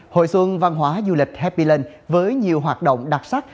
hội xuân văn hóa du lịch happy land với nhiều hoạt động đặc sắc